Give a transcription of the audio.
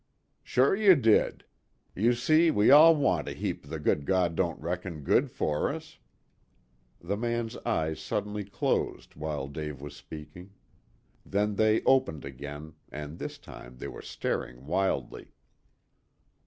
"Sure you did. You see we all want a heap the good God don't reckon good for us " The man's eyes suddenly closed while Dave was speaking. Then they opened again, and this time they were staring wildly.